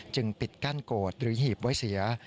ปิดกั้นโกรธหรือหีบไว้เสีย